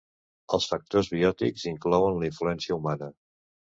Els factors biòtics inclouen la influència humana.